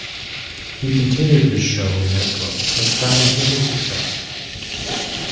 He continued his show in nightclubs but found little success.